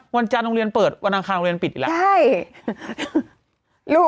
วันจากนรเปิดวันอันการนรปิดอีกแล้ว